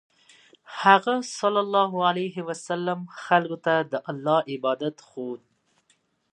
هغه ﷺ خلکو ته د الله عبادت ښوود.